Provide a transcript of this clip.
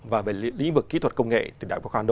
và lĩnh vực kỹ thuật công nghệ